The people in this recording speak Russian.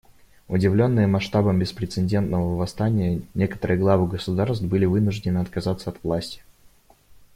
Удивленные масштабами беспрецедентного восстания, некоторые главы государств были вынуждены отказаться от власти.